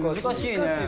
難しいね。